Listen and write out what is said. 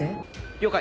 了解！